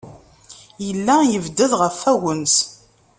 Yella yebded ɣef wagens.